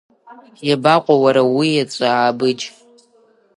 Иабаҟоу уара уиеҵәахә, Аабыџь?